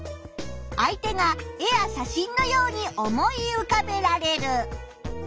相手が絵や写真のように思い浮かべられる。